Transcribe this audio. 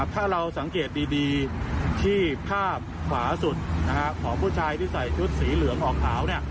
ถ้าเราสังเกตดีที่ภาพขวาสุดของผู้ชายที่ใส่ชุดสีเหลืองออกขาว